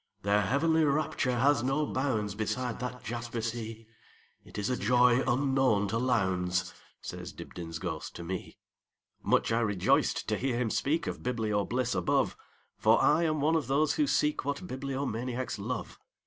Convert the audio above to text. Their heavenly rapture has no boundsBeside that jasper sea; It is a joy unknown to Lowndes,"Says Dibdin's ghost to me. Much I rejoiced to hear him speakOf biblio bliss above, For I am one of those who seekWhat bibliomaniacs love.